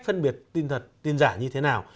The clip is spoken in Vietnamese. phân biệt tin thật tin giả như thế nào